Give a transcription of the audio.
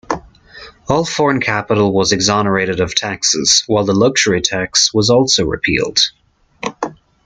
All foreign capital was exonerated of taxes, while the luxury tax was also repealed.